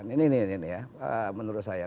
ini ini ya menurut saya